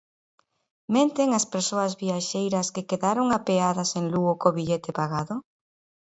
¿Menten as persoas viaxeiras que quedaron apeadas en Lugo co billete pagado?